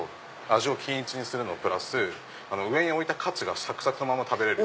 味を均一にするのプラス上に置いたカツがサクサクのまま食べれる。